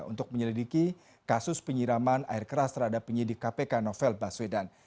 untuk menyelidiki kasus penyiraman air keras terhadap penyidik kpk novel baswedan